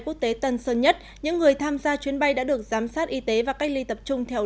quốc tế tân sơn nhất những người tham gia chuyến bay đã được giám sát y tế và cách ly tập trung theo